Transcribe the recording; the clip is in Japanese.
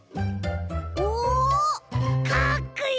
おおかっこいい！